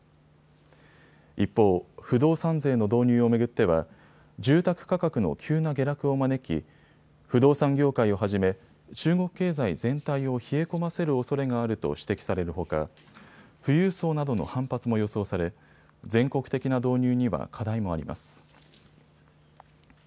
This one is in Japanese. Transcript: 一方、不動産税の導入を巡っては住宅価格の急な下落を招き不動産業界をはじめ中国経済全体を冷え込ませるおそれがあると指摘されるほか富裕層などの反発も予想され全国的な導入には課題もあります。